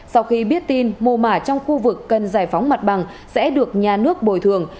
sau khi biết tin mô mả trong khu vực cần giải phóng mặt bằng sẽ được nhà nước bồi thường